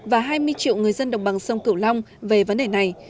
và hai mươi triệu người dân đồng bằng sông cửu long về vấn đề này